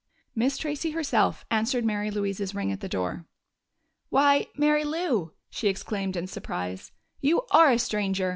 Miss Tracey herself answered Mary Louise's ring at the door. "Why, Mary Lou!" she exclaimed in surprise. "You are a stranger!